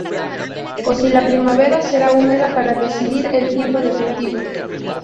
O si la primavera será húmeda para decidir el tipo de cultivo.